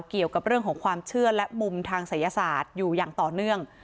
เกี่ยวกับเรื่องของความเชื่อและมุมทางศัยศาสตร์อยู่อย่างต่อเนื่อง